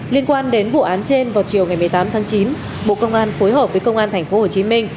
liên quan đến vụ án trên vào chiều ngày một mươi tám tháng chín bộ công an phối hợp với công an tp hcm